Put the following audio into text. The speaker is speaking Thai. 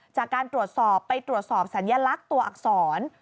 จากการตรวจสอบไปตรวจสอบสัญลักษณ์ตัวอักษร